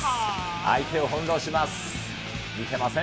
相手を翻弄します。